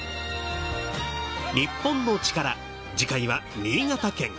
『日本のチカラ』次回は新潟県。